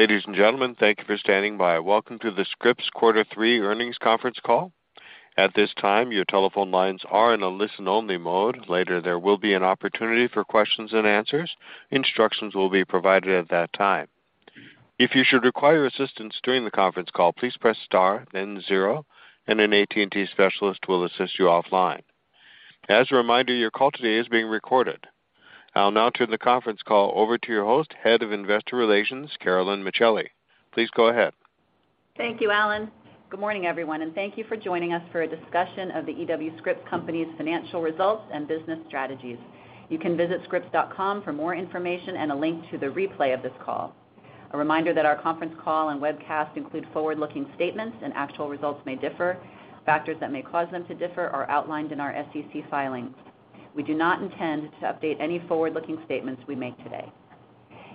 Ladies and gentlemen, thank you for standing by. Welcome to the Scripps Quarter Three Earnings Conference Call. At this time, your telephone lines are in a listen-only mode. Later, there will be an opportunity for questions and answers. Instructions will be provided at that time. If you should require assistance during the conference call, please press star then zero, and an AT&T specialist will assist you offline. As a reminder, your call today is being recorded. I'll now turn the conference call over to your host, Head of Investor Relations, Carolyn Micheli. Please go ahead. Thank you, Alan. Good morning, everyone, and thank you for joining us for a discussion of The E.W. Scripps Company's financial results and business strategies. You can visit scripps.com for more information and a link to the replay of this call. A reminder that our conference call and webcast include forward-looking statements and actual results may differ. Factors that may cause them to differ are outlined in our SEC filings. We do not intend to update any forward-looking statements we make today.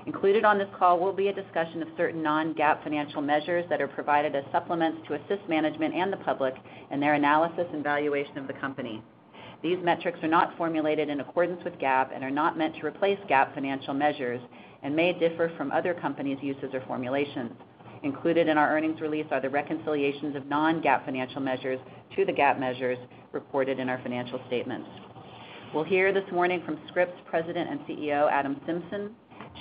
Included on this call will be a discussion of certain non-GAAP financial measures that are provided as supplements to assist management and the public in their analysis and valuation of the company. These metrics are not formulated in accordance with GAAP and are not meant to replace GAAP financial measures and may differ from other companies' uses or formulations. Included in our earnings release are the reconciliations of non-GAAP financial measures to the GAAP measures reported in our financial statements. We'll hear this morning from Scripps President and CEO, Adam Symson,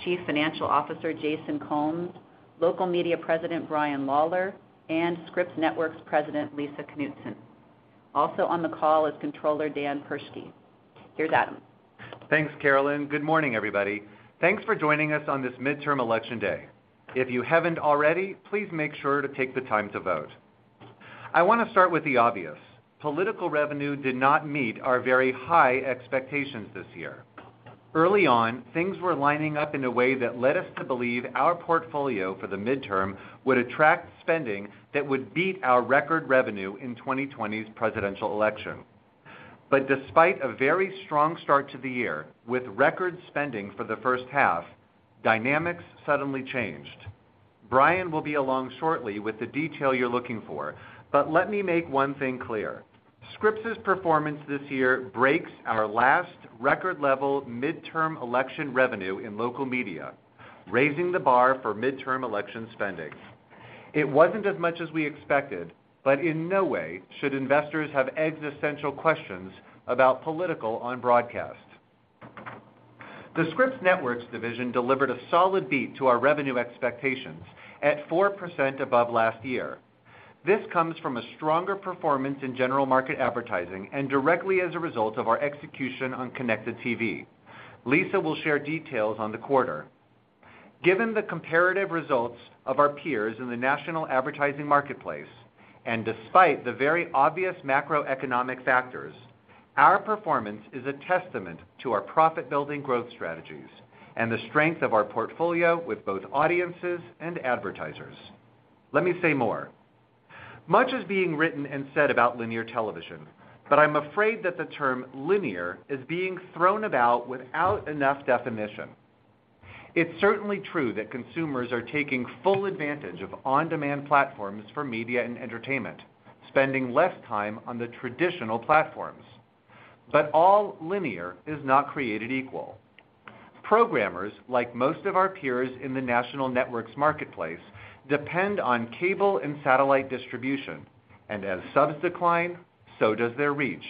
Chief Financial Officer, Jason Combs, Local Media President, Brian Lawlor, and Scripps Networks President, Lisa Knutson. Also on the call is Controller, Dan Perschke. Here's Adam. Thanks, Carolyn. Good morning, everybody. Thanks for joining us on this midterm election day. If you haven't already, please make sure to take the time to vote. I want to start with the obvious. Political revenue did not meet our very high expectations this year. Early on, things were lining up in a way that led us to believe our portfolio for the midterm would attract spending that would beat our record revenue in 2020's presidential election. Despite a very strong start to the year with record spending for the first half, dynamics suddenly changed. Brian will be along shortly with the detail you're looking for, but let me make one thing clear. Scripps's performance this year breaks our last record level midterm election revenue in local media, raising the bar for midterm election spending. It wasn't as much as we expected, but in no way should investors have existential questions about politics on broadcast. The Scripps Networks division delivered a solid beat to our revenue expectations at 4% above last year. This comes from a stronger performance in general market advertising and directly as a result of our execution on connected TV. Lisa will share details on the quarter. Given the comparative results of our peers in the national advertising marketplace, and despite the very obvious macroeconomic factors, our performance is a testament to our profit-building growth strategies and the strength of our portfolio with both audiences and advertisers. Let me say more. Much is being written and said about linear television, but I'm afraid that the term linear is being thrown about without enough definition. It's certainly true that consumers are taking full advantage of on-demand platforms for media and entertainment, spending less time on the traditional platforms. All linear is not created equal. Programmers, like most of our peers in the national networks marketplace, depend on cable and satellite distribution, and as subs decline, so does their reach.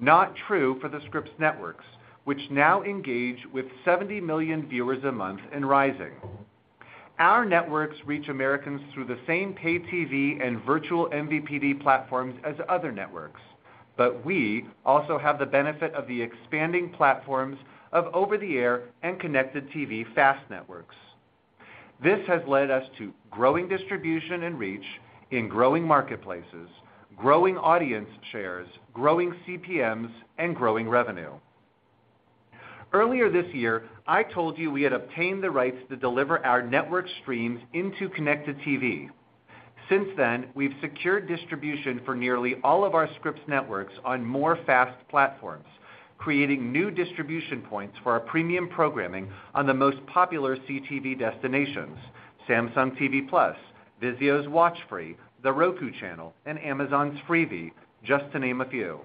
Not true for the Scripps Networks, which now engage with 70 million viewers a month and rising. Our networks reach Americans through the same paid TV and virtual MVPD platforms as other networks, but we also have the benefit of the expanding platforms of over-the-air and connected TV FAST networks. This has led us to growing distribution and reach in growing marketplaces, growing audience shares, growing CPMs, and growing revenue. Earlier this year, I told you we had obtained the rights to deliver our network streams into connected TV. Since then, we've secured distribution for nearly all of our Scripps networks on more FAST platforms, creating new distribution points for our premium programming on the most popular CTV destinations, Samsung TV Plus, Vizio's WatchFree+, The Roku Channel, and Amazon's Freevee, just to name a few.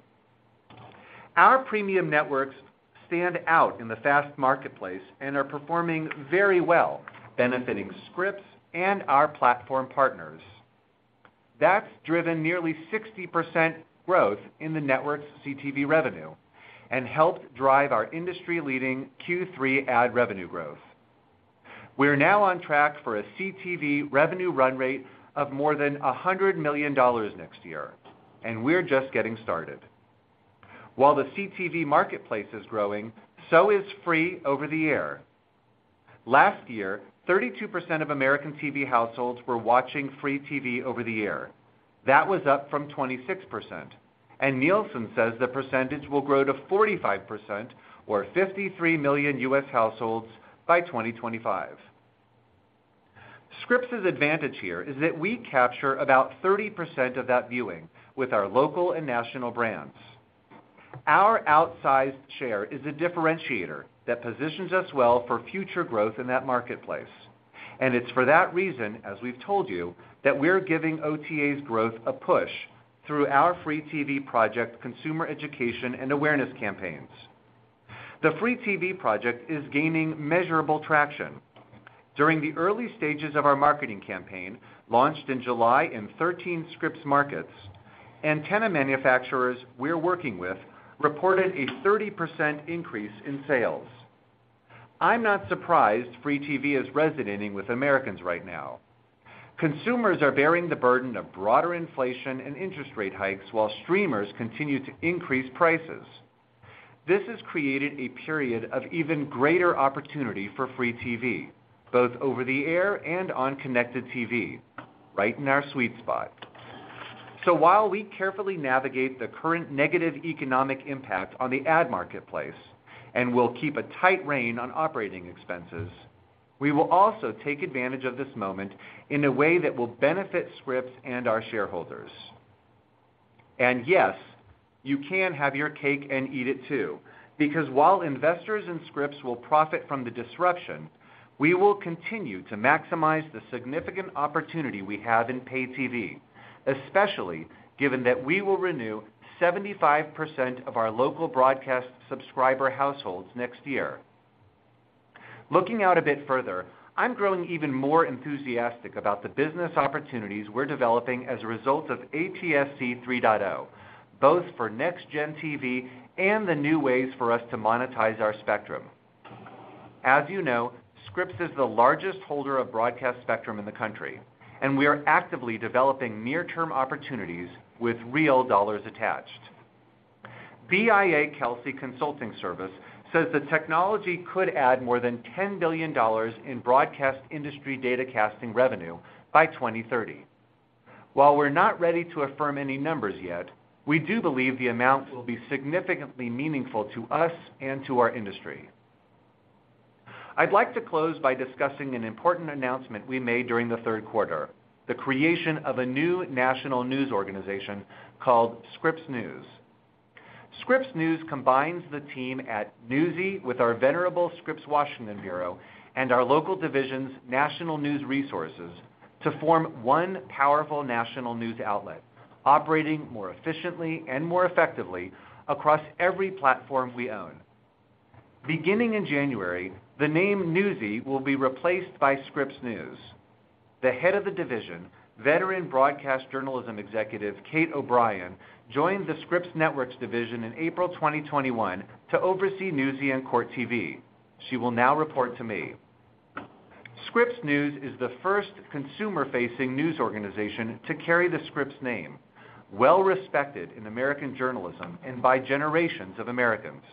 Our premium networks stand out in the FAST marketplace and are performing very well, benefiting Scripps and our platform partners. That's driven nearly 60% growth in the network's CTV revenue and helped drive our industry-leading Q3 ad revenue growth. We are now on track for a CTV revenue run rate of more than $100 million next year, and we're just getting started. While the CTV marketplace is growing, so is free over-the-air. Last year, 32% of American TV households were watching free TV over-the-air. That was up from 26%, and Nielsen says the percentage will grow to 45% or 53 million U.S. households by 2025. Scripps's advantage here is that we capture about 30% of that viewing with our local and national brands. Our outsized share is a differentiator that positions us well for future growth in that marketplace, and it's for that reason, as we've told you, that we're giving OTA's growth a push through our Free TV Project consumer education and awareness campaigns. The Free TV Project is gaining measurable traction. During the early stages of our marketing campaign, launched in July in 13 Scripps markets, antenna manufacturers we're working with reported a 30% increase in sales. I'm not surprised Free TV is resonating with Americans right now. Consumers are bearing the burden of broader inflation and interest rate hikes while streamers continue to increase prices. This has created a period of even greater opportunity for Free TV, both over the air and on connected TV, right in our sweet spot. While we carefully navigate the current negative economic impact on the ad marketplace and we'll keep a tight rein on operating expenses, we will also take advantage of this moment in a way that will benefit Scripps and our shareholders. Yes, you can have your cake and eat it too, because while investors in Scripps will profit from the disruption, we will continue to maximize the significant opportunity we have in paid TV, especially given that we will renew 75% of our local broadcast subscriber households next year. Looking out a bit further, I'm growing even more enthusiastic about the business opportunities we're developing as a result of ATSC 3.0, both for NextGen TV and the new ways for us to monetize our spectrum. As you know, Scripps is the largest holder of broadcast spectrum in the country, and we are actively developing near-term opportunities with real dollars attached. BIA/Kelsey Consulting Service says the technology could add more than $10 billion in broadcast industry datacasting revenue by 2030. While we're not ready to affirm any numbers yet, we do believe the amount will be significantly meaningful to us and to our industry. I'd like to close by discussing an important announcement we made during the third quarter, the creation of a new national news organization called Scripps News. Scripps News combines the team at Newsy with our venerable Scripps Washington Bureau and our local divisions' national news resources to form one powerful national news outlet operating more efficiently and more effectively across every platform we own. Beginning in January, the name Newsy will be replaced by Scripps News. The head of the division, veteran broadcast journalism executive Kate O'Brien, joined the Scripps Networks division in April 2021 to oversee Newsy and Court TV. She will now report to me. Scripps News is the first consumer-facing news organization to carry the Scripps name, well-respected in American journalism and by generations of Americans.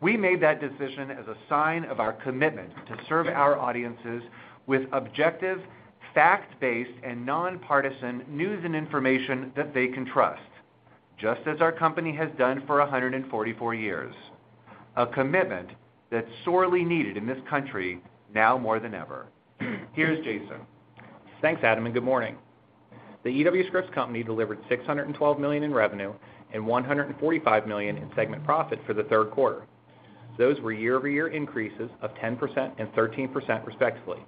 We made that decision as a sign of our commitment to serve our audiences with objective, fact-based and nonpartisan news and information that they can trust, just as our company has done for 144 years, a commitment that's sorely needed in this country now more than ever. Here's Jason. Thanks, Adam, and good morning. The E.W. Scripps Company delivered $612 million in revenue and $145 million in segment profit for the third quarter. Those were year-over-year increases of 10% and 13%, respectively.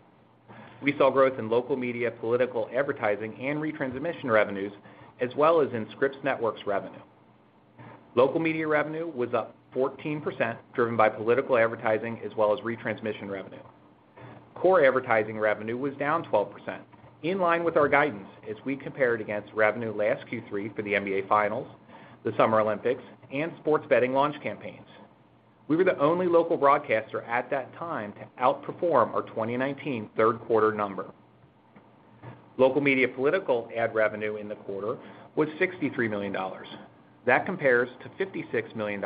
We saw growth in local media, political advertising and retransmission revenues, as well as in Scripps Networks revenue. Local media revenue was up 14%, driven by political advertising as well as retransmission revenue. Core advertising revenue was down 12%, in line with our guidance as we compared against revenue last Q3 for the NBA Finals, the Summer Olympics, and sports betting launch campaigns. We were the only local broadcaster at that time to outperform our 2019 third quarter number. Local media political ad revenue in the quarter was $63 million. That compares to $56 million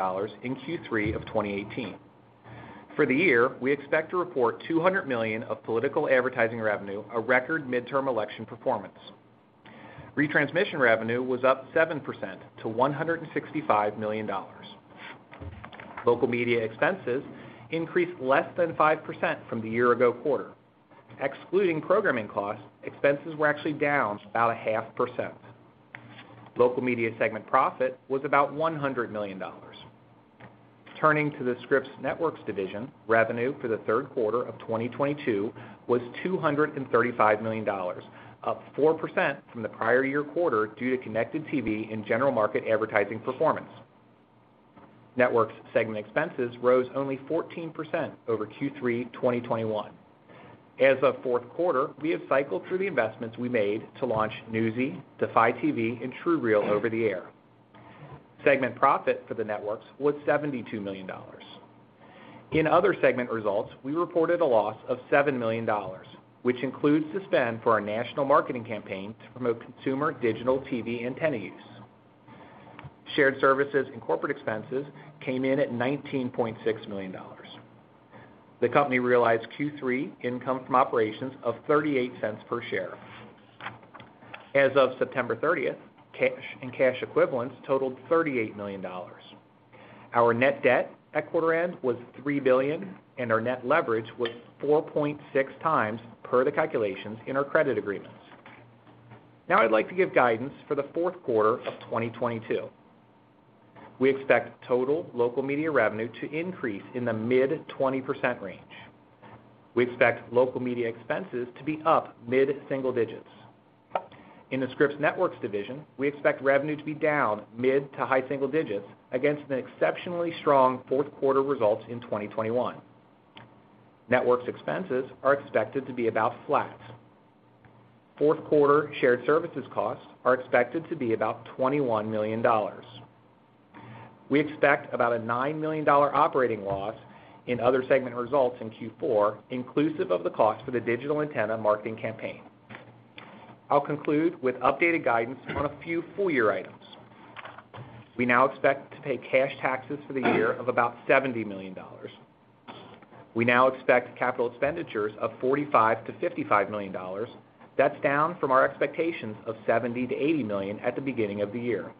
in Q3 of 2018. For the year, we expect to report $200 million of political advertising revenue, a record midterm election performance. Retransmission revenue was up 7% to $165 million. Local media expenses increased less than 5% from the year ago quarter. Excluding programming costs, expenses were actually down about 0.5%. Local media segment profit was about $100 million. Turning to the Scripps Networks division, revenue for the third quarter of 2022 was $235 million, up 4% from the prior year quarter due to connected TV and general market advertising performance. Networks segment expenses rose only 14% over Q3 2021. As of fourth quarter, we have cycled through the investments we made to launch Newsy, Defy TV, and TrueReal over the air. Segment profit for the networks was $72 million. In other segment results, we reported a loss of $7 million, which includes the spend for our national marketing campaign to promote consumer digital TV antenna use. Shared services and corporate expenses came in at $19.6 million. The company realized Q3 income from operations of $0.38 per share. As of September 30th, cash and cash equivalents totaled $38 million. Our net debt at quarter end was $3 billion, and our net leverage was 4.6x per the calculations in our credit agreements. Now I'd like to give guidance for the fourth quarter of 2022. We expect total local media revenue to increase in the mid-20% range. We expect local media expenses to be up mid-single digits%. In the Scripps Networks division, we expect revenue to be down mid- to high-single digits% against an exceptionally strong fourth quarter results in 2021. Networks expenses are expected to be about flat. Fourth quarter shared services costs are expected to be about $21 million. We expect about a $9 million operating loss in other segment results in Q4, inclusive of the cost for the digital antenna marketing campaign. I'll conclude with updated guidance on a few full-year items. We now expect to pay cash taxes for the year of about $70 million. We now expect capital expenditures of $45 million-$55 million. That's down from our expectations of $70 million-$80 million at the beginning of the year.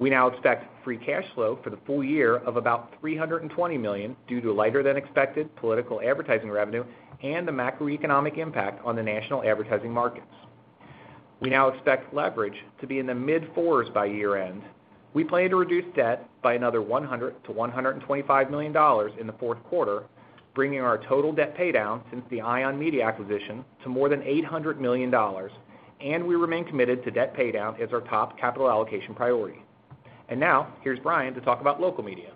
We now expect free cash flow for the full year of about $320 million due to lighter than expected political advertising revenue and the macroeconomic impact on the national advertising markets. We now expect leverage to be in the mid-fours by year-end. We plan to reduce debt by another $100 million-$125 million in the fourth quarter, bringing our total debt pay down since the ION Media acquisition to more than $800 million, and we remain committed to debt pay down as our top capital allocation priority. Now here's Brian to talk about Local Media.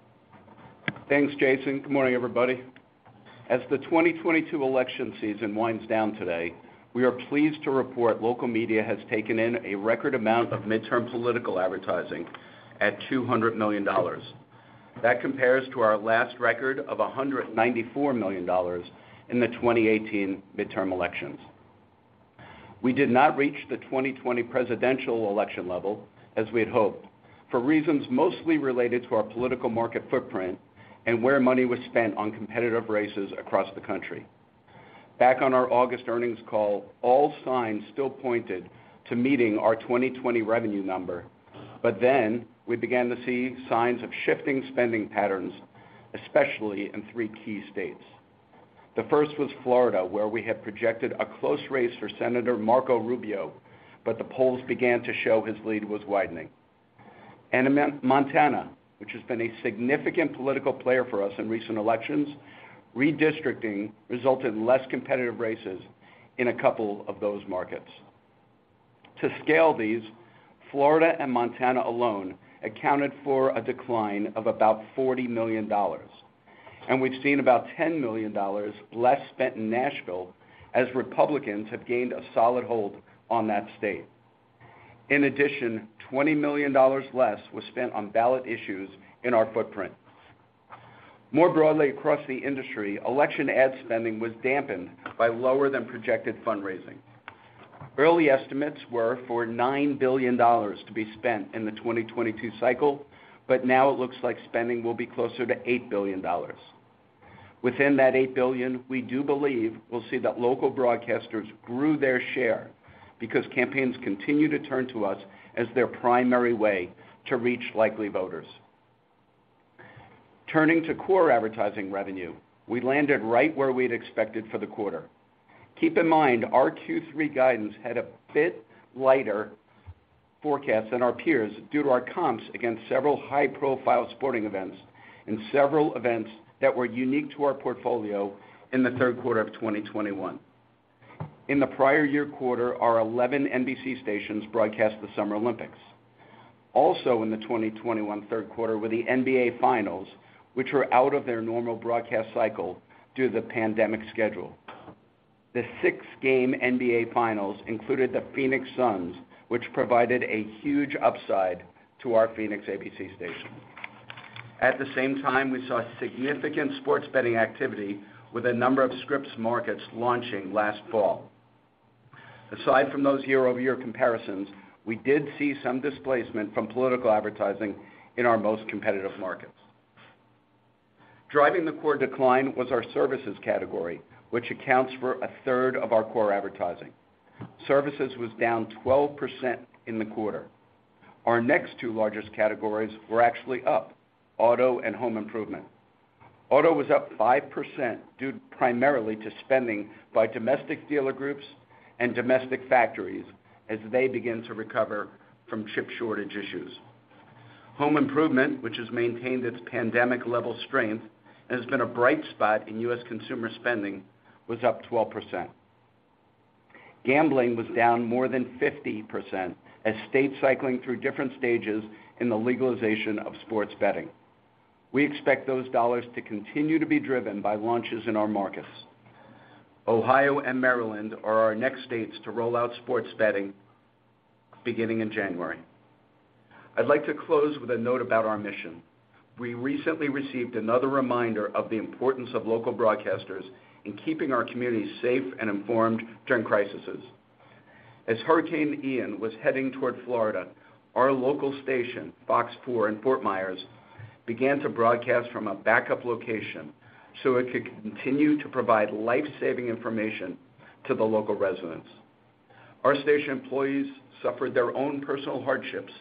Thanks, Jason. Good morning, everybody. As the 2022 election season winds down today, we are pleased to report Local Media has taken in a record amount of midterm political advertising at $200 million. That compares to our last record of $194 million in the 2018 midterm elections. We did not reach the 2020 presidential election level as we had hoped for reasons mostly related to our political market footprint and where money was spent on competitive races across the country. Back on our August earnings call, all signs still pointed to meeting our 2020 revenue number. We began to see signs of shifting spending patterns, especially in three key states. The first was Florida, where we had projected a close race for Senator Marco Rubio, but the polls began to show his lead was widening. In Montana, which has been a significant political player for us in recent elections, redistricting resulted in less competitive races in a couple of those markets. To scale these, Florida and Montana alone accounted for a decline of about $40 million, and we've seen about $10 million less spent in Nashville as Republicans have gained a solid hold on that state. In addition, $20 million less was spent on ballot issues in our footprint. More broadly across the industry, election ad spending was dampened by lower than projected fundraising. Early estimates were for $9 billion to be spent in the 2022 cycle, but now it looks like spending will be closer to $8 billion. Within that $8 billion, we do believe we'll see that local broadcasters grew their share because campaigns continue to turn to us as their primary way to reach likely voters. Turning to core advertising revenue, we landed right where we'd expected for the quarter. Keep in mind, our Q3 guidance had a bit lighter forecast than our peers due to our comps against several high-profile sporting events and several events that were unique to our portfolio in the third quarter of 2021. In the prior year quarter, our 11 NBC stations broadcast the Summer Olympics. Also in the 2021 third quarter were the NBA Finals, which were out of their normal broadcast cycle due to the pandemic schedule. The six-game NBA Finals included the Phoenix Suns, which provided a huge upside to our Phoenix ABC station. At the same time, we saw significant sports betting activity with a number of Scripps markets launching last fall. Aside from those year-over-year comparisons, we did see some displacement from political advertising in our most competitive markets. Driving the core decline was our services category, which accounts for a third of our core advertising. Services was down 12% in the quarter. Our next two largest categories were actually up, auto and home improvement. Auto was up 5% due primarily to spending by domestic dealer groups and domestic factories as they begin to recover from chip shortage issues. Home improvement, which has maintained its pandemic level strength and has been a bright spot in U.S. consumer spending, was up 12%. Gambling was down more than 50% as states cycling through different stages in the legalization of sports betting. We expect those dollars to continue to be driven by launches in our markets. Ohio and Maryland are our next states to roll out sports betting beginning in January. I'd like to close with a note about our mission. We recently received another reminder of the importance of local broadcasters in keeping our communities safe and informed during crises. As Hurricane Ian was heading toward Florida, our local station, Fox 4 in Fort Myers, began to broadcast from a backup location so it could continue to provide life-saving information to the local residents. Our station employees suffered their own personal hardships,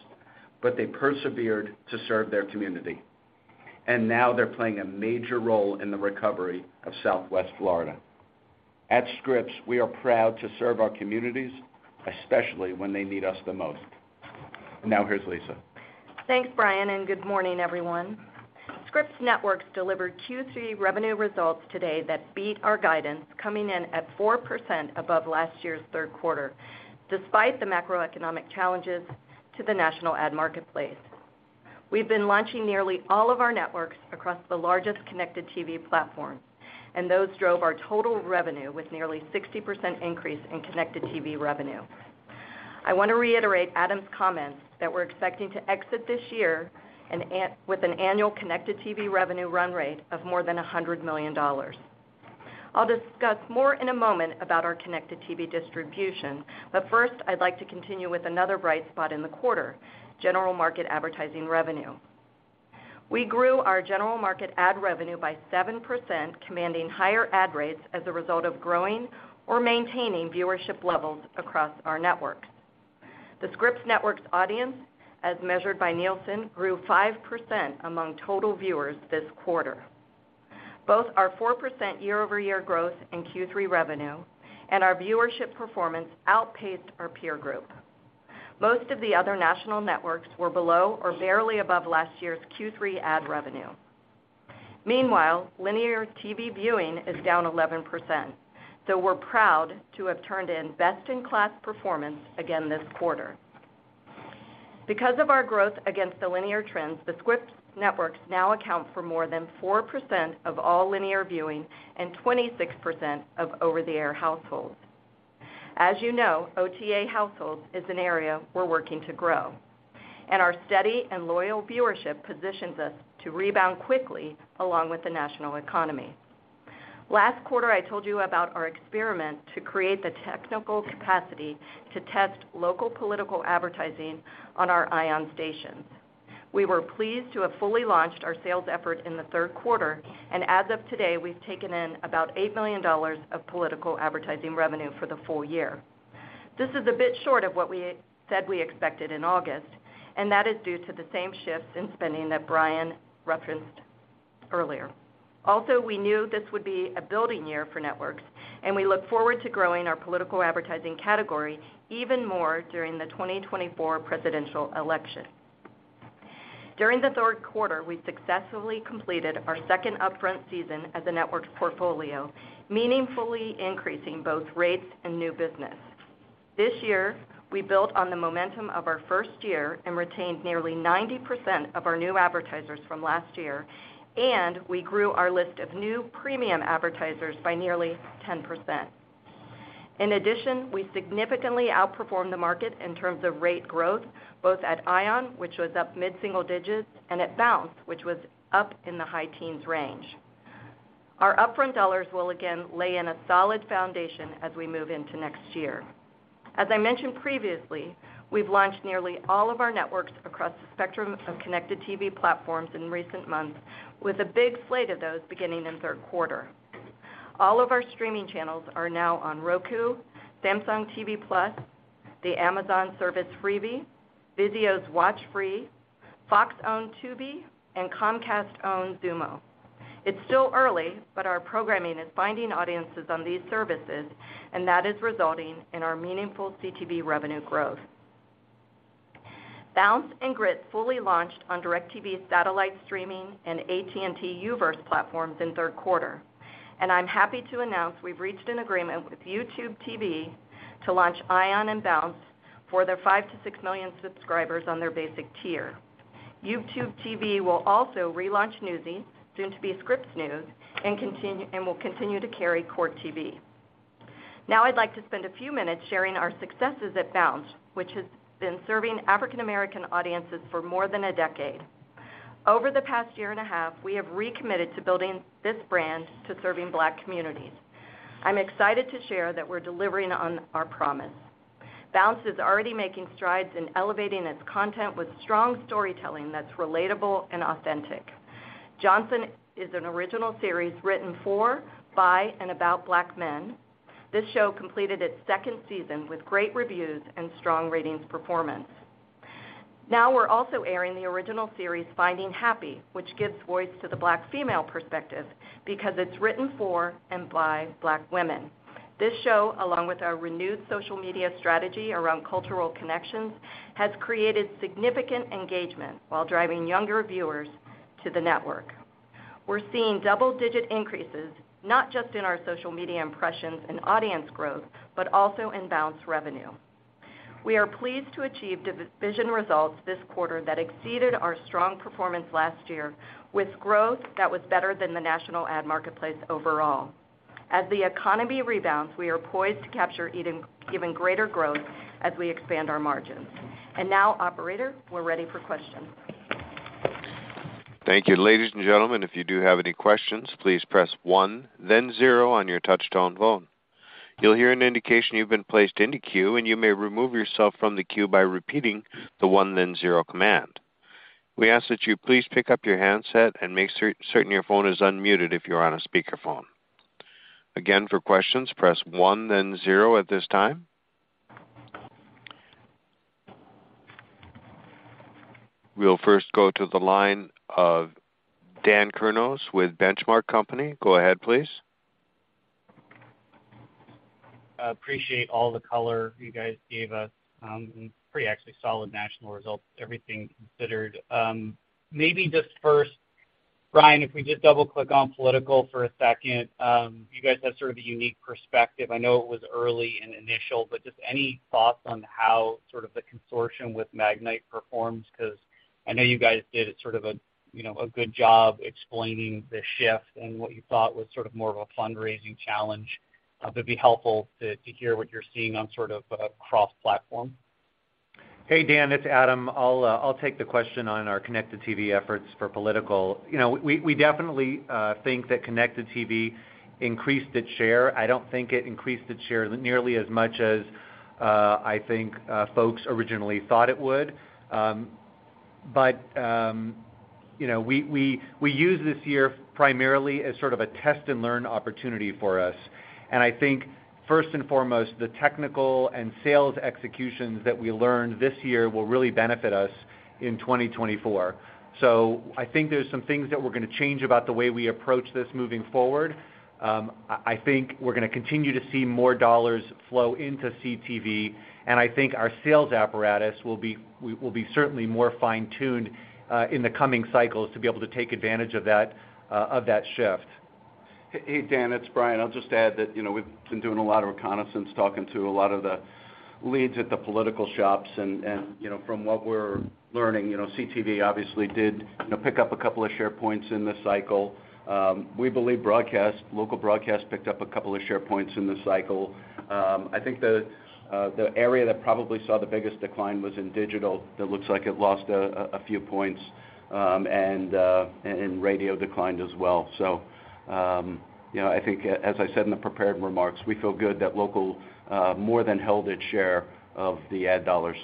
but they persevered to serve their community, and now they're playing a major role in the recovery of Southwest Florida. At Scripps, we are proud to serve our communities, especially when they need us the most. Now here's Lisa. Thanks, Brian, and good morning, everyone. Scripps Networks delivered Q3 revenue results today that beat our guidance, coming in at 4% above last year's third quarter, despite the macroeconomic challenges to the national ad marketplace. We've been launching nearly all of our networks across the largest connected TV platforms, and those drove our total revenue with nearly 60% increase in connected TV revenue. I wanna reiterate Adam's comments that we're expecting to exit this year with an annual connected TV revenue run rate of more than $100 million. I'll discuss more in a moment about our connected TV distribution, but first, I'd like to continue with another bright spot in the quarter, general market advertising revenue. We grew our general market ad revenue by 7%, commanding higher ad rates as a result of growing or maintaining viewership levels across our networks. The Scripps Networks audience, as measured by Nielsen, grew 5% among total viewers this quarter. Both our 4% year-over-year growth in Q3 revenue and our viewership performance outpaced our peer group. Most of the other national networks were below or barely above last year's Q3 ad revenue. Meanwhile, linear TV viewing is down 11%, so we're proud to have turned in best-in-class performance again this quarter. Because of our growth against the linear trends, the Scripps Networks now account for more than 4% of all linear viewing and 26% of over-the-air households. As you know, OTA households is an area we're working to grow, and our steady and loyal viewership positions us to rebound quickly along with the national economy. Last quarter, I told you about our experiment to create the technical capacity to test local political advertising on our ION stations. We were pleased to have fully launched our sales effort in the third quarter, and as of today, we've taken in about $8 million of political advertising revenue for the full year. This is a bit short of what we said we expected in August, and that is due to the same shifts in spending that Brian referenced earlier. We knew this would be a building year for networks, and we look forward to growing our political advertising category even more during the 2024 presidential election. During the third quarter, we successfully completed our second upfront season as a networks portfolio, meaningfully increasing both rates and new business. This year, we built on the momentum of our first year and retained nearly 90% of our new advertisers from last year, and we grew our list of new premium advertisers by nearly 10%. In addition, we significantly outperformed the market in terms of rate growth, both at ION, which was up mid-single digits, and at Bounce, which was up in the high teens range. Our upfront dollars will again lay in a solid foundation as we move into next year. As I mentioned previously, we've launched nearly all of our networks across the spectrum of connected TV platforms in recent months with a big slate of those beginning in third quarter. All of our streaming channels are now on Roku, Samsung TV Plus, the Amazon service, Freevee, Vizio's WatchFree+, Fox-owned Tubi, and Comcast-owned Xumo. It's still early, but our programming is finding audiences on these services, and that is resulting in our meaningful CTV revenue growth. Bounce and Grit fully launched on DirecTV's satellite streaming and AT&T U-verse platforms in third quarter. I'm happy to announce we've reached an agreement with YouTube TV to launch ION and Bounce for their 5 million-6 million subscribers on their basic tier. YouTube TV will also relaunch Newsy, soon to be Scripps News, and will continue to carry Court TV. Now I'd like to spend a few minutes sharing our successes at Bounce, which has been serving African American audiences for more than a decade. Over the past year and a half, we have recommitted to building this brand to serving Black communities. I'm excited to share that we're delivering on our promise. Bounce is already making strides in elevating its content with strong storytelling that's relatable and authentic. Johnson is an original series written for, by, and about Black men. This show completed its second season with great reviews and strong ratings performance. Now we're also airing the original series, Finding Happy, which gives voice to the Black female perspective because it's written for and by Black women. This show, along with our renewed social media strategy around cultural connections, has created significant engagement while driving younger viewers to the network. We're seeing double-digit increases, not just in our social media impressions and audience growth, but also in Bounce revenue. We are pleased to achieve division results this quarter that exceeded our strong performance last year with growth that was better than the national ad marketplace overall. As the economy rebounds, we are poised to capture even greater growth as we expand our margins. Now, operator, we're ready for questions. Thank you. Ladies and gentlemen, if you do have any questions, please press one then zero on your touch-tone phone. You'll hear an indication you've been placed into queue, and you may remove yourself from the queue by repeating the one then zero command. We ask that you please pick up your handset and make certain your phone is unmuted if you are on a speakerphone. Again, for questions, press one then zero at this time. We'll first go to the line of Dan Kurnos with Benchmark Company. Go ahead, please. Appreciate all the color you guys gave us, and pretty actually solid national results, everything considered. Maybe just first, Brian, if we just double-click on political for a second, you guys have sort of a unique perspective. I know it was early and initial, but just any thoughts on how sort of the consortium with Magnite performs 'cause I know you guys did a sort of a, you know, a good job explaining the shift and what you thought was sort of more of a fundraising challenge. It'd be helpful to hear what you're seeing on sort of a cross-platform. Hey, Dan, it's Adam. I'll take the question on our connected TV efforts for political. You know, we definitely think that connected TV increased its share. I don't think it increased its share nearly as much as I think folks originally thought it would. But you know, we used this year primarily as sort of a test and learn opportunity for us. I think first and foremost, the technical and sales executions that we learned this year will really benefit us in 2024. I think there's some things that we're gonna change about the way we approach this moving forward. I think we're gonna continue to see more dollars flow into CTV, and I think our sales apparatus will be certainly more fine-tuned in the coming cycles to be able to take advantage of that shift. Hey, Dan, it's Brian. I'll just add that, you know, we've been doing a lot of reconnaissance, talking to a lot of the leads at the political shops and, you know, from what we're learning, you know, CTV obviously did, you know, pick up a couple of share points in this cycle. We believe broadcast, local broadcast picked up a couple of share points in this cycle. I think the area that probably saw the biggest decline was in digital. That looks like it lost a few points, and radio declined as well. You know, I think as I said in the prepared remarks, we feel good that local more than held its share of the ad dollars.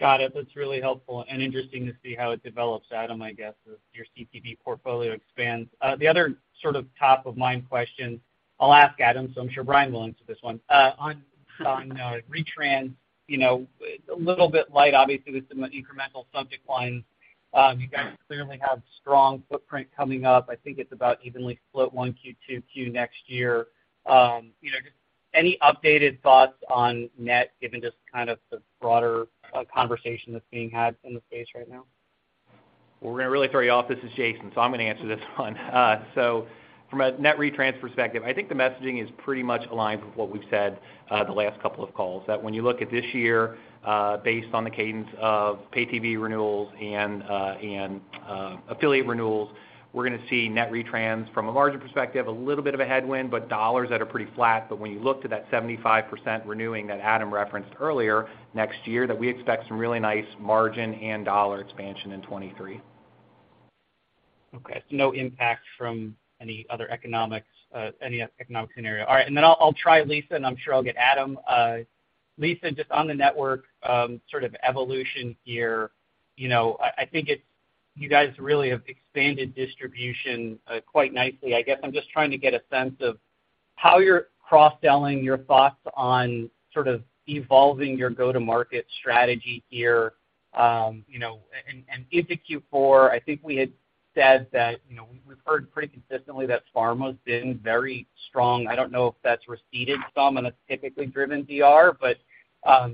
Got it. That's really helpful and interesting to see how it develops, Adam, I guess, as your CTV portfolio expands. The other sort of top-of-mind question, I'll ask Adam, so I'm sure Brian will answer this one. On retrans, you know, a little bit light, obviously, with some incremental subject lines. You guys clearly have strong footprint coming up. I think it's about evenly split 1Q, 2Q next year. You know, just any updated thoughts on net, given just kind of the broader conversation that's being had in the space right now? Well, we're gonna really throw you off. This is Jason, so I'm gonna answer this one. From a net retrans perspective, I think the messaging is pretty much aligned with what we've said the last couple of calls, that when you look at this year, based on the cadence of pay TV renewals and affiliate renewals, we're gonna see net retrans from a margin perspective a little bit of a headwind, but dollars that are pretty flat. When you look to that 75% renewing that Adam referenced earlier next year, that we expect some really nice margin and dollar expansion in 2023. Okay. No impact from any other economics, any economic scenario. All right, I'll try Lisa, and I'm sure I'll get Adam. Lisa, just on the network sort of evolution here, you know, I think it's, you guys really have expanded distribution quite nicely. I guess I'm just trying to get a sense of how you're cross-selling your thoughts on sort of evolving your go-to-market strategy here. You know, and into Q4, I think we had said that, you know, we've heard pretty consistently that pharma's been very strong. I don't know if that's receded some and it's typically driven DR, but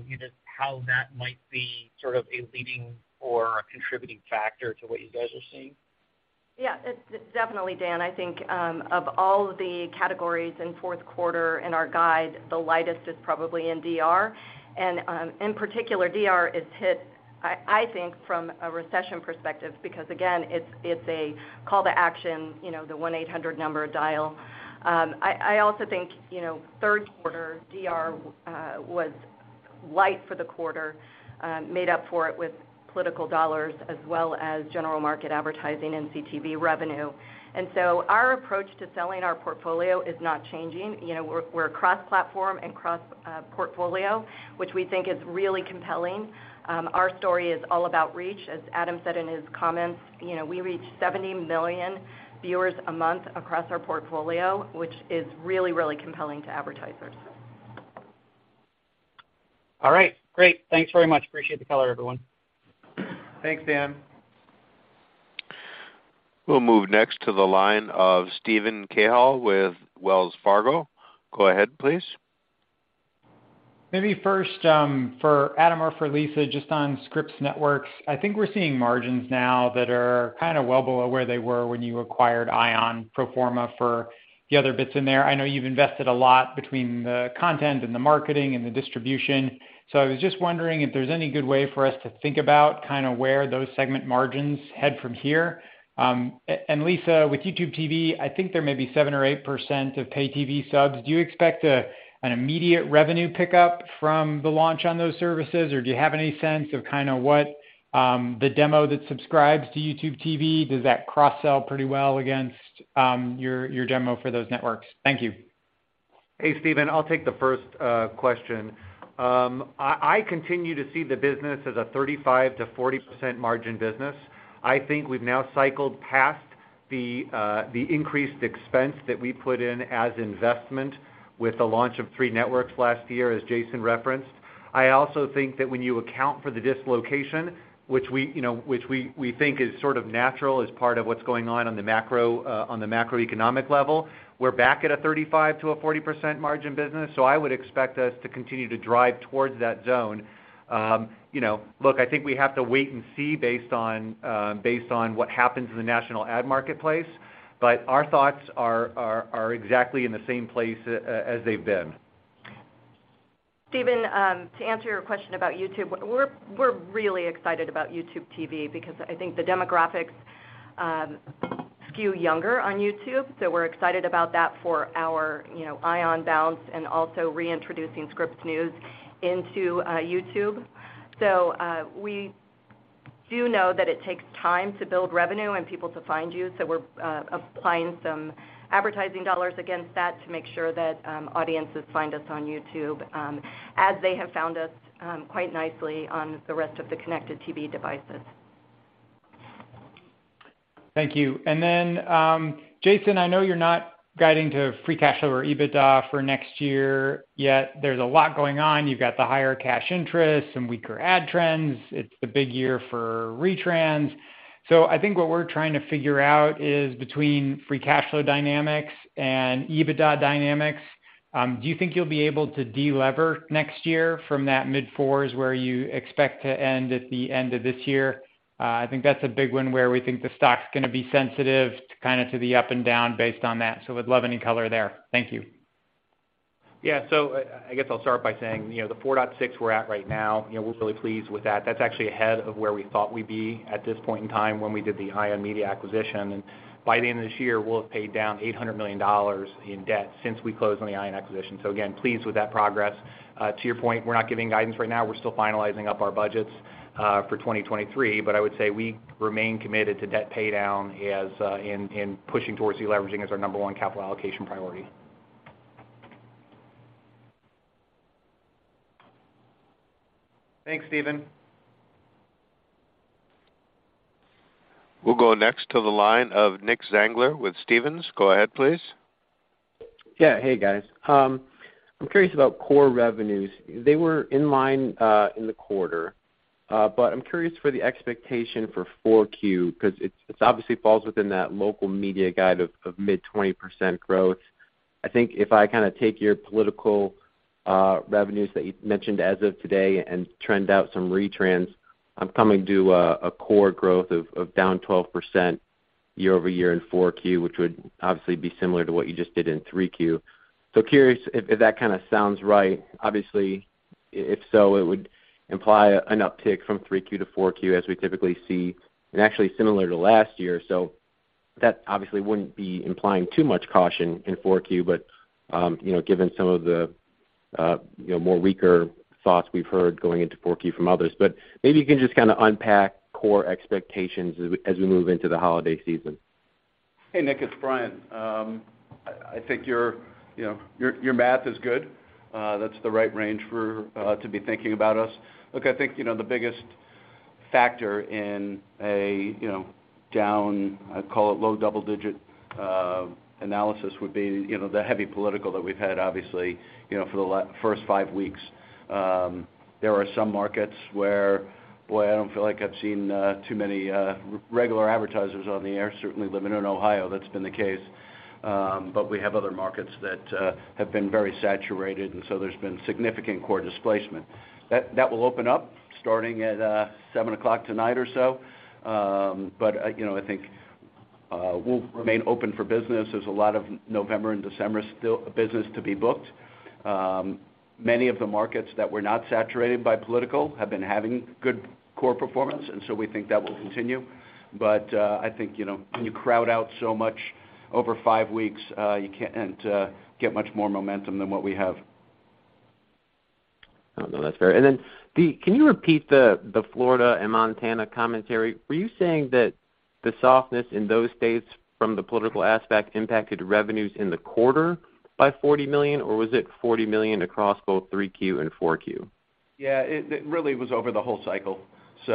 you know, just how that might be sort of a leading or a contributing factor to what you guys are seeing. Yeah. It's definitely, Dan, I think, of all the categories in fourth quarter in our guide, the lightest is probably in DR. In particular, DR is hit, I think from a recession perspective because again, it's a call to action, you know, the 1-800 number dial. I also think, you know, third quarter, DR was light for the quarter, made up for it with political dollars as well as general market advertising and CTV revenue. Our approach to selling our portfolio is not changing. You know, we're cross-platform and cross-portfolio, which we think is really compelling. Our story is all about reach. As Adam said in his comments, you know, we reach 70 million viewers a month across our portfolio, which is really compelling to advertisers. All right. Great. Thanks very much. Appreciate the color, everyone. Thanks, Dan. We'll move next to the line of Steven Cahall with Wells Fargo. Go ahead, please. Maybe first, for Adam or for Lisa, just on Scripps Networks, I think we're seeing margins now that are kinda well below where they were when you acquired ION pro forma for the other bits in there. I know you've invested a lot between the content and the marketing and the distribution. I was just wondering if there's any good way for us to think about kinda where those segment margins head from here. And Lisa, with YouTube TV, I think there may be 7% or 8% of pay TV subs. Do you expect an immediate revenue pickup from the launch on those services, or do you have any sense of kinda what the demo that subscribes to YouTube TV? Does that cross-sell pretty well against your demo for those networks? Thank you. Hey, Steven, I'll take the first question. I continue to see the business as a 35%-40% margin business. I think we've now cycled pas the increased expense that we put in as investment with the launch of three networks last year, as Jason referenced. I also think that when you account for the dislocation, which you know we think is sort of natural as part of what's going on the macroeconomic level, we're back at a 35%-40% margin business. I would expect us to continue to drive towards that zone. You know, look, I think we have to wait and see based on what happens in the national ad marketplace. Our thoughts are exactly in the same place as they've been. Steven, to answer your question about YouTube, we're really excited about YouTube TV because I think the demographics skew younger on YouTube, so we're excited about that for our, you know, ION Bounce and also reintroducing Scripps News into YouTube. We do know that it takes time to build revenue and people to find you, so we're applying some advertising dollars against that to make sure that audiences find us on YouTube, as they have found us quite nicely on the rest of the connected TV devices. Thank you. Jason, I know you're not guiding to free cash or EBITDA for next year yet. There's a lot going on. You've got the higher cash interest, some weaker ad trends. It's the big year for retrans. I think what we're trying to figure out is between free cash flow dynamics and EBITDA dynamics, do you think you'll be able to delever next year from that mid-fours where you expect to end at the end of this year? I think that's a big one where we think the stock's gonna be sensitive to kind of the up and down based on that. We'd love any color there. Thank you. Yeah. I guess I'll start by saying, you know, the 4.6 we're at right now, you know, we're really pleased with that. That's actually ahead of where we thought we'd be at this point in time when we did the ION Media acquisition. By the end of this year, we'll have paid down $800 million in debt since we closed on the ION Media acquisition. Again, pleased with that progress. To your point, we're not giving guidance right now. We're still finalizing up our budgets for 2023. I would say we remain committed to debt pay down as in pushing towards deleveraging as our number one capital allocation priority. Thanks, Steven. We'll go next to the line of Nick Zangler with Stephens. Go ahead, please. Yeah. Hey, guys. I'm curious about core revenues. They were in line in the quarter. I'm curious for the expectation for 4Q because it obviously falls within that local media guide of mid-20% growth. I think if I kinda take your political revenues that you mentioned as of today and trend out some retrans, I'm coming to a core growth of down 12% year-over-year in 4Q, which would obviously be similar to what you just did in 3Q. Curious if that kinda sounds right. Obviously, if so, it would imply an uptick from 3Q to 4Q, as we typically see, and actually similar to last year. That obviously wouldn't be implying too much caution in 4Q. You know, given some of the you know, more weaker thoughts we've heard going into 4Q from others. Maybe you can just kinda unpack core expectations as we move into the holiday season. Hey, Nick, it's Brian. I think you know, your math is good. That's the right range for to be thinking about us. Look, I think you know, the biggest factor in a down, I'd call it low double-digit analysis would be you know, the heavy political that we've had, obviously, you know, for the first five weeks. There are some markets where, boy, I don't feel like I've seen too many regular advertisers on the air. Certainly living in Ohio, that's been the case. We have other markets that have been very saturated, and so there's been significant core displacement. That will open up starting at 7:00 P.M. tonight or so. You know, I think we'll remain open for business. There's a lot of November and December still business to be booked. Many of the markets that were not saturated by political have been having good core performance, and so we think that will continue. I think, you know, when you crowd out so much over five weeks, you can't get much more momentum than what we have. No, that's fair. Can you repeat the Florida and Montana commentary? Were you saying that the softness in those states from the political aspect impacted revenues in the quarter by $40 million, or was it $40 million across both 3Q and 4Q? Yeah, it really was over the whole cycle. You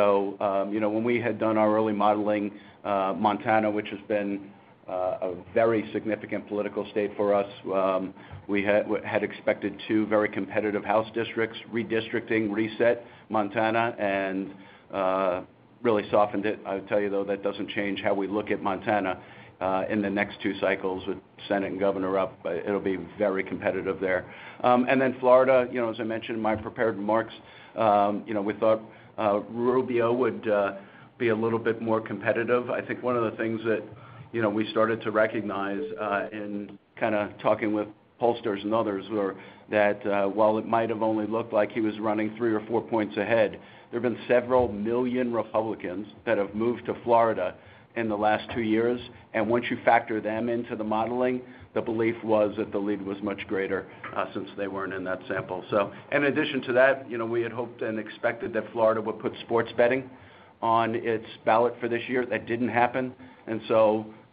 know, when we had done our early modeling, Montana, which has been a very significant political state for us, we had expected two very competitive House districts. Redistricting reset Montana and really softened it. I'll tell you, though, that doesn't change how we look at Montana in the next two cycles with Senate and governor up. It'll be very competitive there. Then Florida, you know, as I mentioned in my prepared remarks, you know, we thought Rubio would be a little bit more competitive. I think one of the things that, you know, we started to recognize, in kind of talking with pollsters and others were that, while it might have only looked like he was running three or four points ahead, there have been several million Republicans that have moved to Florida in the last two years. Once you factor them into the modeling, the belief was that the lead was much greater, since they weren't in that sample. In addition to that, you know, we had hoped and expected that Florida would put sports betting on its ballot for this year. That didn't happen.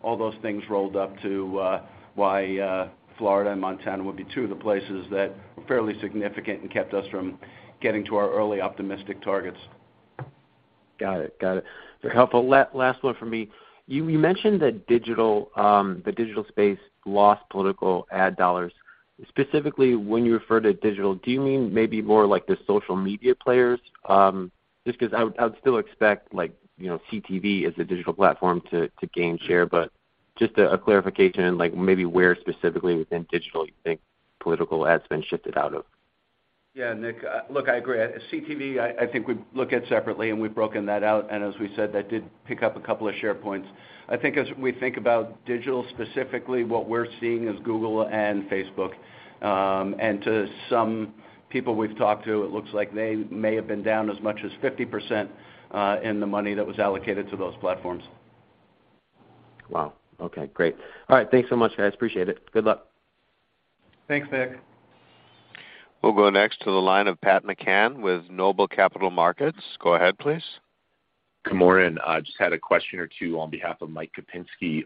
All those things rolled up to why Florida and Montana would be 2 of the places that were fairly significant and kept us from getting to our early optimistic targets. Got it. Very helpful. Last one for me. You mentioned that the digital space lost political ad dollars. Specifically, when you refer to digital, do you mean maybe more like the social media players? Just 'cause I would still expect, like, you know, CTV as a digital platform to gain share. But just a clarification, like maybe where specifically within digital you think political ads been shifted out of? Yeah, Nick, look, I agree. CTV, I think we look at separately, and we've broken that out. As we said, that did pick up a couple of share points. I think as we think about digital, specifically, what we're seeing is Google and Facebook, and to some people we've talked to, it looks like they may have been down as much as 50% in the money that was allocated to those platforms. Wow, okay. Great. All right. Thanks so much, guys. Appreciate it. Good luck. Thanks, Nick. We'll go next to the line of Pat McCann with Noble Capital Markets. Go ahead, please. Good morning. I just had a question or two on behalf of Mike Kupinski.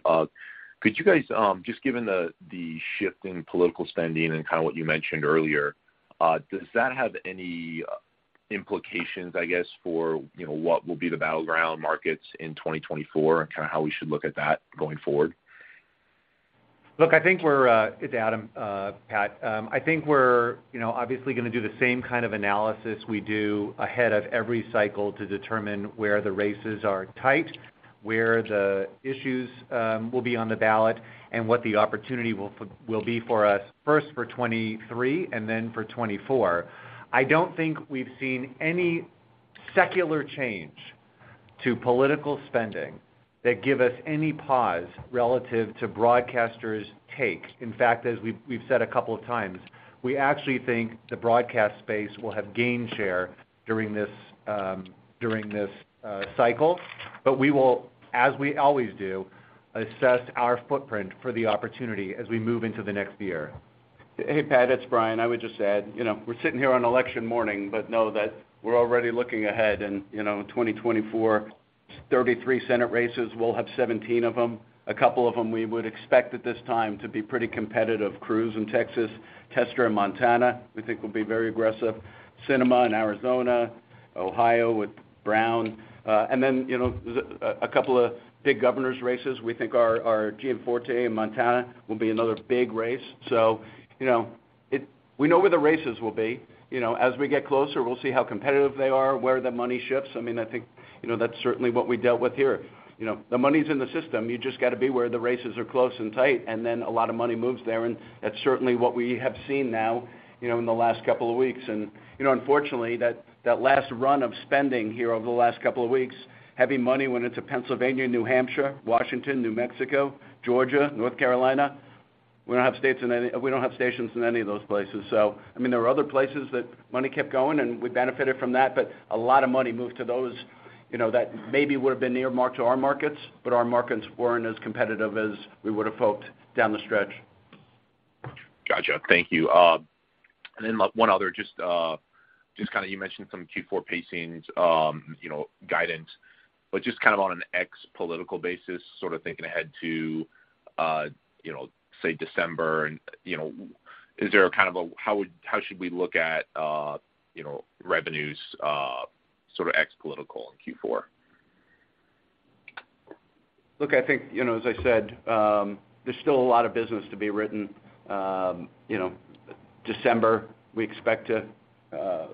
Could you guys just given the shift in political spending and kind of what you mentioned earlier, does that have any implications, I guess, for you know what will be the battleground markets in 2024 and kind of how we should look at that going forward? Look, I think we're. It's Adam, Pat. I think we're, you know, obviously gonna do the same kind of analysis we do ahead of every cycle to determine where the races are tight, where the issues will be on the ballot, and what the opportunity will be for us, first for 2023 and then for 2024. I don't think we've seen any secular change to political spending that give us any pause relative to broadcasters take. In fact, as we've said a couple of times, we actually think the broadcast space will have gained share during this cycle. We will, as we always do, assess our footprint for the opportunity as we move into the next year. Hey, Pat, it's Brian.I would just add, you know, we're sitting here on election morning but know that we're already looking ahead and, you know, 2024, 33 Senate races, we'll have 17 of them. A couple of them we would expect at this time to be pretty competitive. Cruz in Texas, Tester in Montana, we think will be very aggressive. Sinema in Arizona, Ohio with Brown. And then, you know, a couple of big governors races, we think are Gianforte in Montana will be another big race. We know where the races will be. You know, as we get closer, we'll see how competitive they are, where the money shifts. I mean, I think, you know, that's certainly what we dealt with here. You know, the money's in the system. You just gotta be where the races are close and tight, and then a lot of money moves there. That's certainly what we have seen now, you know, in the last couple of weeks. You know, unfortunately, that last run of spending here over the last couple of weeks, heavy money went into Pennsylvania, New Hampshire, Washington, New Mexico, Georgia, North Carolina. We don't have stations in any of those places. I mean, there are other places that money kept going, and we benefited from that, but a lot of money moved to those, you know, that maybe would've been earmarked to our markets, but our markets weren't as competitive as we would've hoped down the stretch. Gotcha. Thank you. One other just kind of you mentioned some Q4 pacings, you know, guidance. Just kind of on an ex-political basis, sort of thinking ahead to, you know, say December and, you know, is there a kind of a, how should we look at, you know, revenues, sort of ex-political in Q4? Look, I think, you know, as I said, there's still a lot of business to be written. You know, December, we expect a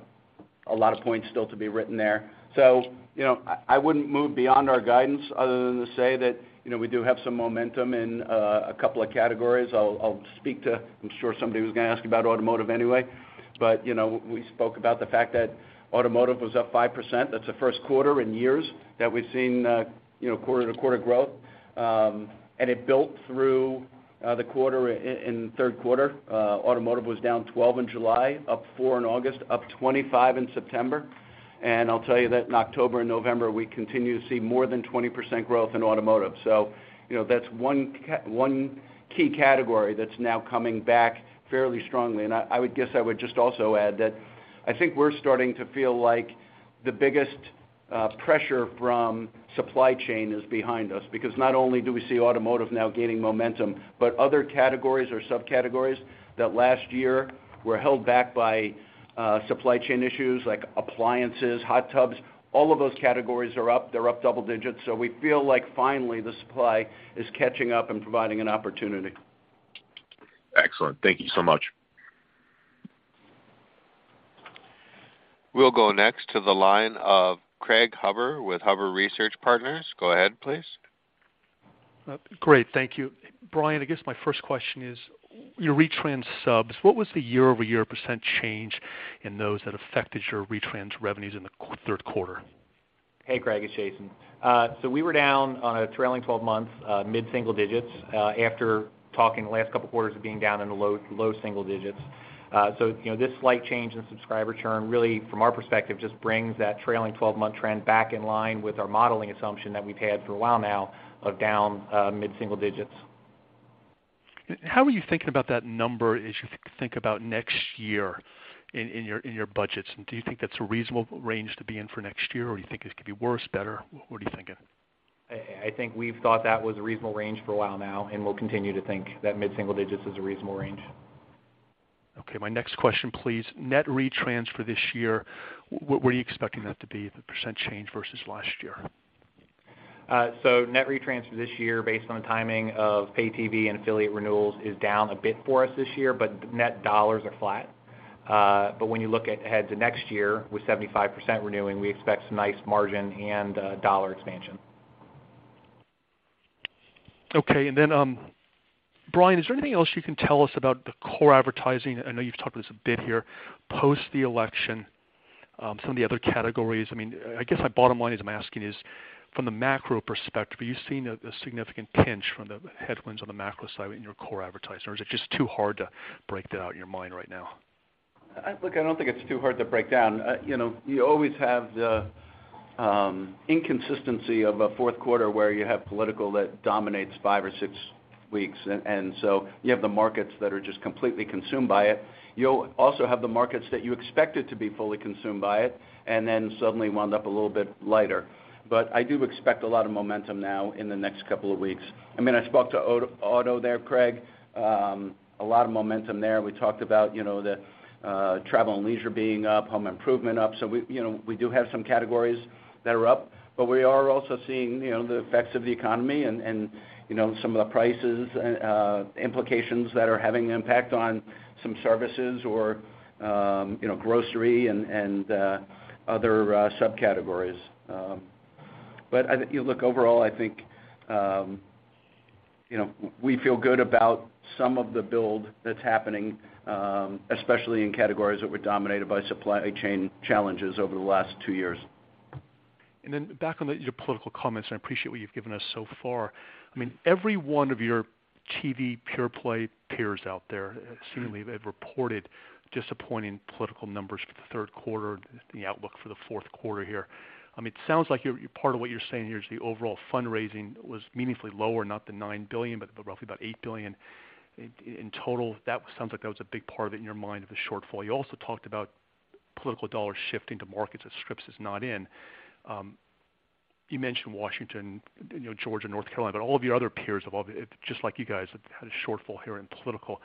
lot of points still to be written there. I wouldn't move beyond our guidance other than to say that, you know, we do have some momentum in a couple of categories. I'll speak to. I'm sure somebody was gonna ask about automotive anyway. We spoke about the fact that automotive was up 5%. That's the first quarter in years that we've seen quarter-to-quarter growth. It built through the quarter in the third quarter. Automotive was down 12% in July, up 4% in August, up 25% in September. I'll tell you that in October and November, we continue to see more than 20% growth in automotive. You know, that's one key category that's now coming back fairly strongly. I would guess I would just also add that I think we're starting to feel like the biggest pressure from supply chain is behind us because not only do we see automotive now gaining momentum, but other categories or subcategories that last year were held back by supply chain issues like appliances, hot tubs, all of those categories are up. They're up double digits. We feel like finally the supply is catching up and providing an opportunity. Excellent. Thank you so much. We'll go next to the line of Craig Huber with Huber Research Partners. Go ahead, please. Great. Thank you. Brian, I guess my first question is your retrans subs, what was the year-over-year percent change in those that affected your retrans revenues in the third quarter? Hey, Craig. It's Jason. We were down on a trailing 12 months mid-single digits after talking the last couple of quarters of being down in the low single digits. You know, this slight change in subscriber churn really from our perspective just brings that trailing 12-month trend back in line with our modeling assumption that we've had for a while now of down mid-single digits. How are you thinking about that number as you think about next year in your budgets? Do you think that's a reasonable range to be in for next year, or you think it could be worse, better? What are you thinking? I think we've thought that was a reasonable range for a while now, and we'll continue to think that mid-single digits is a reasonable range. Okay, my next question please. Net retrans this year, what are you expecting that to be, the percent change versus last year? Net retrans this year based on the timing of pay TV and affiliate renewals is down a bit for us this year, but net dollars are flat. When you look ahead to next year with 75% renewing, we expect some nice margin and dollar expansion. Okay. Brian, is there anything else you can tell us about the core advertising? I know you've talked about this a bit here, post the election, some of the other categories. I mean, I guess my bottom line is I'm asking is from the macro perspective, are you seeing a significant pinch from the headwinds on the macro side in your core advertisers? Or is it just too hard to break that out in your mind right now? Look, I don't think it's too hard to break down. You know, you always have the inconsistency of a fourth quarter where you have political that dominates five or six weeks, and so you have the markets that are just completely consumed by it. You also have the markets that you expected to be fully consumed by it and then suddenly wound up a little bit lighter. I do expect a lot of momentum now in the next couple of weeks. I mean, I spoke to auto there, Craig, a lot of momentum there. We talked about, you know, the travel and leisure being up, home improvement up. We, you know, we do have some categories that are up. We are also seeing, you know, the effects of the economy and you know, some of the price implications that are having impact on some services or you know, grocery and other subcategories. I think, look, overall, I think you know, we feel good about some of the build that's happening, especially in categories that were dominated by supply chain challenges over the last two years. Back on your political comments, I appreciate what you've given us so far. I mean, every one of your TV pure play peers out there seemingly have reported disappointing political numbers for the third quarter, the outlook for the fourth quarter here. I mean, it sounds like you're part of what you're saying here is the overall fundraising was meaningfully lower, not the $9 billion, but roughly about $8 billion in total. That sounds like that was a big part of it in your mind of the shortfall. You also talked about political dollars shifting to markets that Scripps is not in. You mentioned Washington, you know, Georgia, North Carolina, but all of your other peers have all, just like you guys had a shortfall here in political.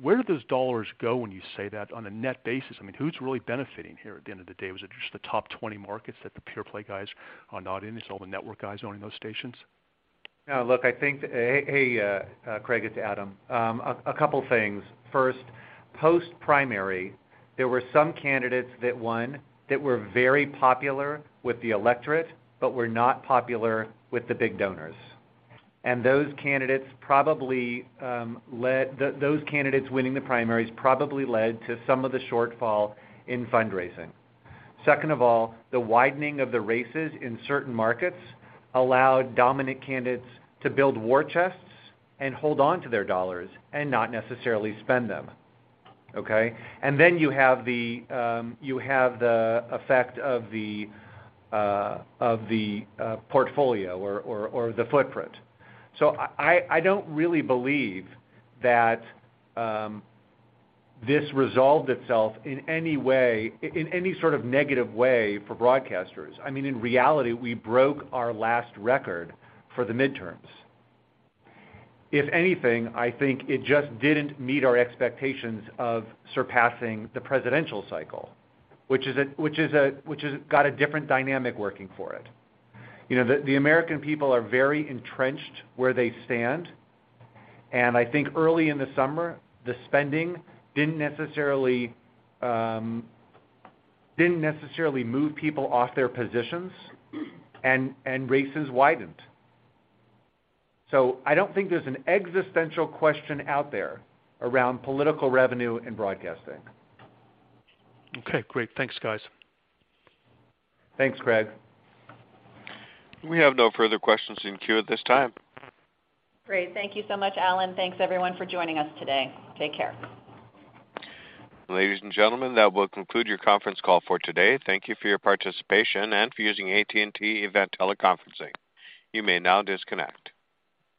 Where do those dollars go when you say that on a net basis? I mean, who's really benefiting here at the end of the day? Was it just the top 20 markets that the pure play guys are not in? Is all the network guys owning those stations? No. Look, I think. Hey, Craig, it's Adam. A couple things. First, post-primary, there were some candidates that won that were very popular with the electorate but were not popular with the big donors. Those candidates probably Those candidates winning the primaries probably led to some of the shortfall in fundraising. Second of all, the widening of the races in certain markets allowed dominant candidates to build war chests and hold on to their dollars and not necessarily spend them. Okay. You have the, you have the effect of the, of the, portfolio or the footprint. I don't really believe that this resolved itself in any way, in any sort of negative way for broadcasters. I mean, in reality, we broke our last record for the midterms. If anything, I think it just didn't meet our expectations of surpassing the presidential cycle, which has got a different dynamic working for it. You know, the American people are very entrenched where they stand, and I think early in the summer, the spending didn't necessarily move people off their positions and races widened. I don't think there's an existential question out there around political revenue in broadcasting. Okay, great. Thanks, guys. Thanks, Craig. We have no further questions in queue at this time. Great. Thank you so much, Alan. Thanks everyone for joining us today. Take care. Ladies and gentlemen, that will conclude your conference call for today. Thank you for your participation and for using AT&T Event Teleconferencing. You may now disconnect.